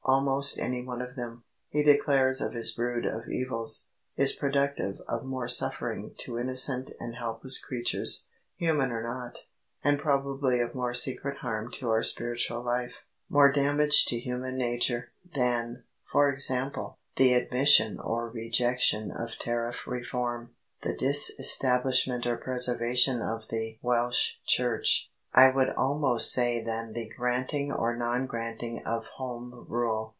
"Almost any one of them," he declares of his brood of evils, "is productive of more suffering to innocent and helpless creatures, human or not, and probably of more secret harm to our spiritual life, more damage to human nature, than, for example, the admission or rejection of Tariff Reform, the Disestablishment or preservation of the Welsh Church, I would almost say than the granting or non granting of Home Rule."